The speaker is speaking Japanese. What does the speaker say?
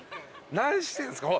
何してんすか。